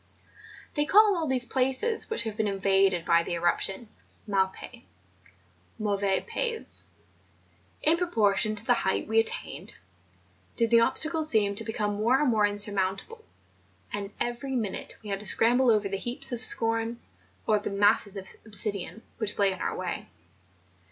They call all these places which have been invaded by the erup¬ tions mal pais (mauvais pays). In proportion to the height we attained, did the obstacles seem to become more and more insurmountable; and every minute we had to scramble over the heaps of scoria, or the masses of obsidian, which lay in our way.